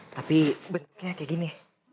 tapi bentuknya kayak gini